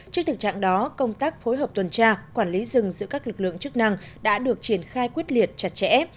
trước thực trạng đó công tác phối hợp tuần tra quản lý rừng giữa các lực lượng chức năng đã được triển khai quyết liệt chặt chẽ